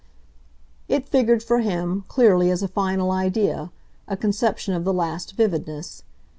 It figured for him, clearly, as a final idea, a conception of the last vividness.